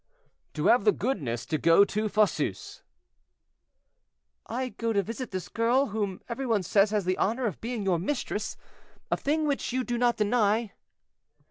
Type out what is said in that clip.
"To have the goodness to go to Fosseuse." "I go to visit this girl whom every one says has the honor of being your mistress; a thing which you do not deny."